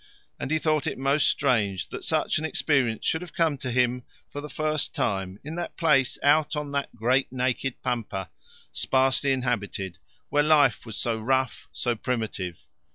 And he thought it most strange that such an experience should have come to him for the first time in that place out on that great naked pampa, sparsely inhabited, where life was so rough, so primitive.